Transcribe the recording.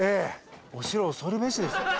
お城恐るべしですね。